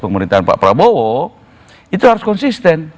pemerintahan pak prabowo itu harus konsisten